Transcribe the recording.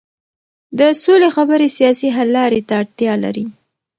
د سولې خبرې سیاسي حل لارې ته اړتیا لري